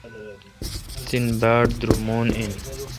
تن باڑ درومون این۔